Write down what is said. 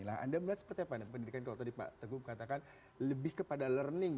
nah anda melihat seperti apa anda pendidikan kalau tadi pak teguh katakan lebih kepada learning